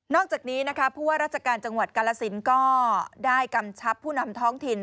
อกจากนี้นะคะผู้ว่าราชการจังหวัดกาลสินก็ได้กำชับผู้นำท้องถิ่น